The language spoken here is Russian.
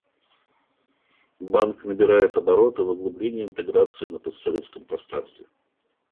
Банк набирает обороты в углублении интеграции на постсоветском пространстве.